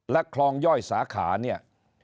คลองย่อยสาขาเนี่ย